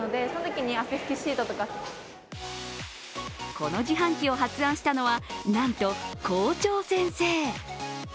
この自販機を発案したのは、なんと校長先生。